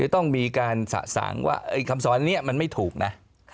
ต้องมีการสะสางว่าคำสอนนี้มันไม่ถูกนะ